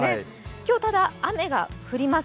今日、ただ、雨が降ります。